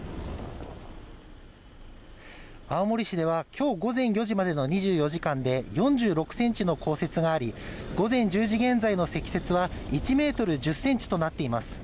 青森市ではきょう午前４時までの２４時間で４６センチの降雪があり午前１０時現在の積雪は１メートル１０センチとなっています